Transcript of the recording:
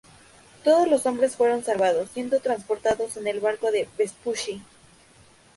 Todos los hombres fueron salvados, siendo transportados en el barco de Vespucci.